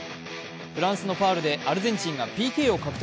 フランスのファウルでアルゼンチンがＰＫを獲得。